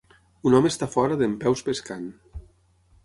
Un home està a fora dempeus pescant.